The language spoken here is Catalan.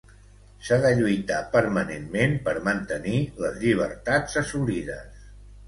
S'ha de lluitar permanentment per mantenir les llibertats assolides